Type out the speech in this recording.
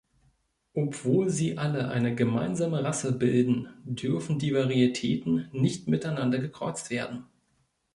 Obwohl sie alle eine gemeinsame Rasse bilden, dürfen die Varietäten nicht miteinander gekreuzt werden.